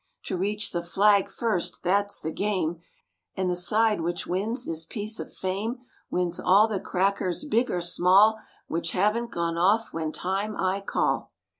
To reach the flag first, that's the game, And the side which wins this piece of fame Wins all the crackers big or small Which haven't gone off when time I call.